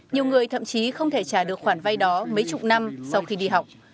nhiều người thậm chí không thể trả được khoản vay đó mấy chục năm sau khi đi học